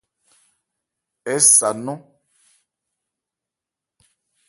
Ɛ́ sa nnɔn.